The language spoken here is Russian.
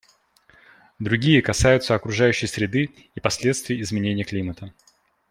Другие касаются окружающей среды и последствий изменения климата.